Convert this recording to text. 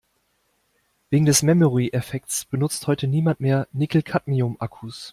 Wegen des Memory-Effekts benutzt heute niemand mehr Nickel-Cadmium-Akkus.